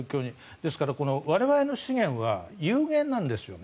ですから我々の資源は有限なんですよね。